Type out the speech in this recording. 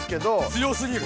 強すぎる。